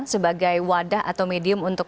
sebagai wadah atau medium untuk